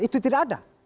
itu tidak ada